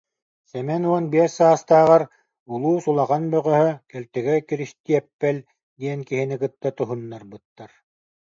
Сэмэн уон биэс саастааҕар улуус улахан бөҕөһө Кэлтэгэй Киристиэппэл диэн киһини кытта туһуннарбыттар